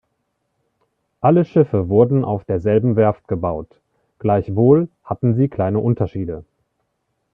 Alle Schiffe wurden auf derselben Werft gebaut; gleichwohl hatten sie kleine Unterschiede.